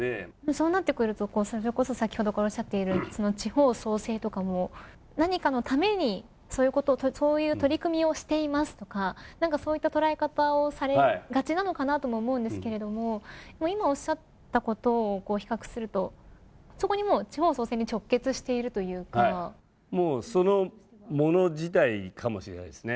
そうなってくると先ほどからおっしゃっている地方創生とかも何かのためにそういう取り組みをしていますとかそういった捉え方をされがちなのかなと思うんですけれども今おっしゃったことを比較すると地方創生にそのもの自体かもしれないですね。